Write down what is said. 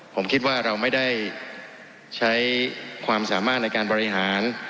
ผมคิดว่าเราไม่ได้ใช้ความสามารถในการบริหาร